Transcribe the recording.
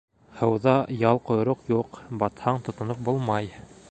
Һыуҙа ял-ҡойроҡ юҡ, батһаң тотоноп булмай.